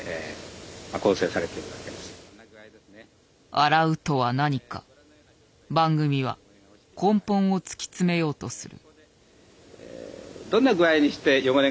洗うとは何か番組は根本を突き詰めようとする。